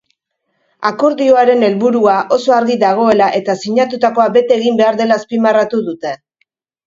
Akordioaren helburua oso argi dagoela eta sinatutakoa bete egin behar dela azpimarratu dute.